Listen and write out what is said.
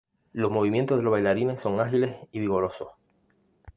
Los movimientos de los bailarines son ágiles y vigorosos.